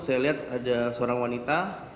saya lihat ada seorang wanita